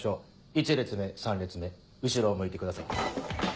１列目３列目後ろを向いてください。